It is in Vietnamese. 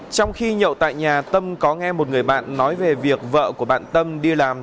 trong khi nhậu tại nhà tâm có nghe một người bạn nói về việc vợ của bạn tâm đi làm